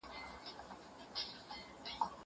ليکلي پاڼي ترتيب کړه!!